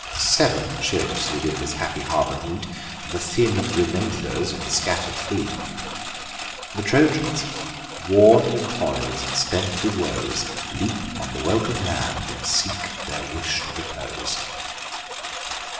Sev'n ships within this happy harbour meet, The thin remainders of the scatter'd fleet. The Trojans, worn with toils, and spent with woes, Leap on the welcome land, and seek their wish'd repose.